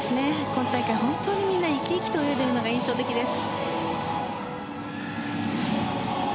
今大会、本当にみんな生き生きと泳いでいるのが印象的です。